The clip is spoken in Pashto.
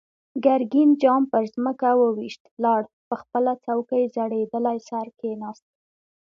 ګرګين جام پر ځمکه و ويشت، لاړ، په خپله څوکۍ زړېدلی سر کېناست.